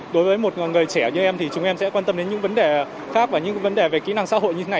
đối với một người trẻ như em thì chúng em sẽ quan tâm đến những vấn đề khác và những vấn đề về kỹ năng xã hội như thế này